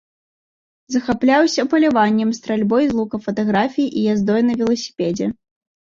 Захапляўся паляваннем, стральбой з лука, фатаграфіяй і яздой на веласіпедзе.